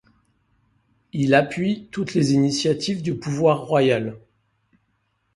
Il appuie toutes les initiatives du pouvoir royal.